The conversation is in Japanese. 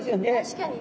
確かに。